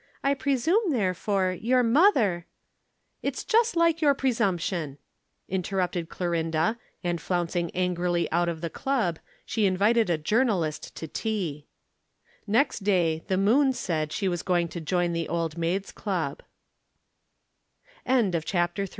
"I presume, therefore, your mother " "It's just like your presumption," interrupted Clorinda, and flouncing angrily out of the Club, she invited a journalist to tea. Next day the Moon said she was going to join the Old Maids' Club. CHAPTER IV.